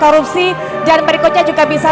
korupsi dan berikutnya juga bisa